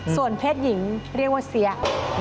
ส่วนเพศหญิงเรียกว่าเสีย